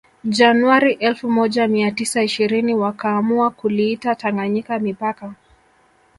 Januari elfu moja mia tisa ishirini wakaamua kuliita Tanganyika mipaka